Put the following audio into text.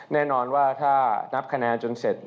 แน่นอนว่าถ้านับคะแนนจนเสร็จ